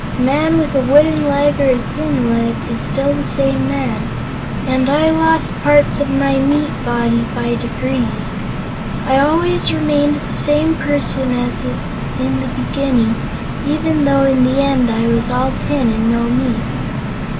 A man with a wooden leg or a tin leg is still the same man; and, as I lost parts of my meat body by degrees, I always remained the same person as in the beginning, even though in the end I was all tin and no meat."